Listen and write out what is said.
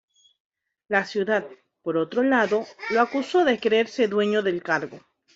La ciudad, por otro lado, lo acusó de creerse dueño del cargo.